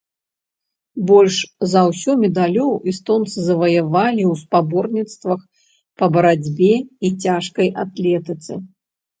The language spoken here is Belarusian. Больш за ўсё медалёў эстонцы заваявалі ў спаборніцтвах па барацьбе і цяжкай атлетыцы.